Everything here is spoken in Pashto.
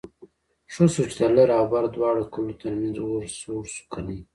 ښه شو چې د لر او بر دواړو کلو ترمنځ اور سوړ شو کني...